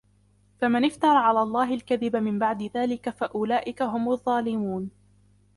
فَمَنِ افْتَرَى عَلَى اللَّهِ الْكَذِبَ مِنْ بَعْدِ ذَلِكَ فَأُولَئِكَ هُمُ الظَّالِمُونَ